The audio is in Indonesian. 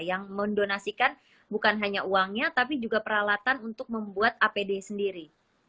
yang mendonasikan bukan hanya uangnya tapi juga peralatan untuk membuat apd sendiri